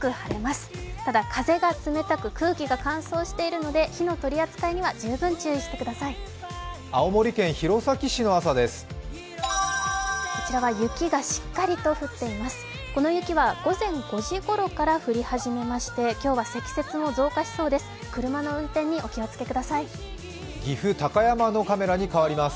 この雪は午前２時ごろから降り始めまして、今日は積雪も増加しそうです。